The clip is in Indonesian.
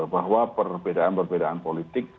bahwa perbedaan perbedaan politik